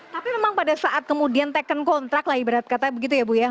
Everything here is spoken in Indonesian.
tapi memang pada saat kemudian taken kontrak lah ibarat kata begitu ya bu ya